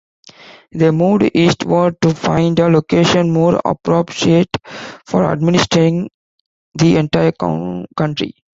They moved eastward to find a location more appropriate for administering the entire country.